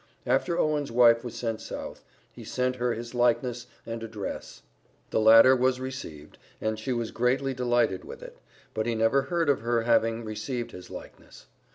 After Owen's wife was sent South, he sent her his likeness and a dress; the latter was received, and she was greatly delighted with it, but he never heard of her having received his likeness.